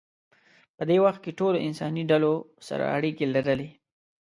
په دې وخت کې ټولو انساني ډلو سره اړیکې لرلې.